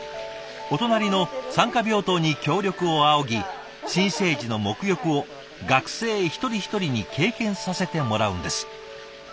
お隣の産科病棟に協力を仰ぎ新生児のもく浴を学生一人一人に経験させてもらうんです。